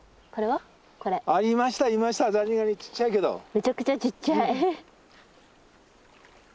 めちゃくちゃちっちゃい。